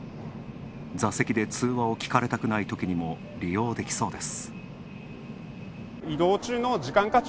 座席で通話を聞かれたくないときにも利用できそうです。